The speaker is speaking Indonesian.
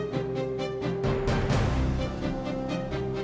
tidak ada yang bisa dihukum